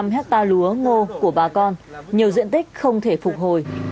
một trăm một mươi năm hecta lúa ngô của bà con nhiều diện tích không thể phục hồi